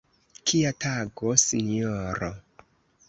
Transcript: Kia tago, sinjoro!